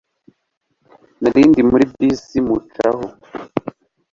Nari ndi muri bisi mucaho